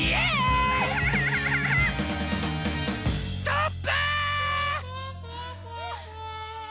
ストップ！！！